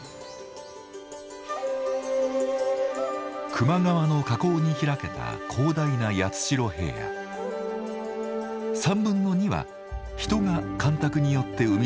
球磨川の河口に開けた広大な３分の２は人が干拓によって生み出したものです。